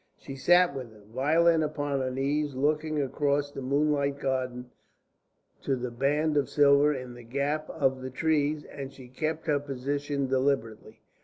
She sat with her violin upon her knees, looking across the moonlit garden to the band of silver in the gap of the trees; and she kept her position deliberately.